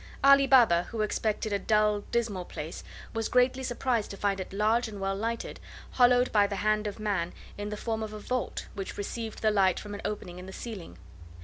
Ali Baba, who expected a dull, dismal place, was greatly surprised to find it large and well lighted, hollowed by the hand of man in the form of a vault, which received the light from an opening in the ceiling.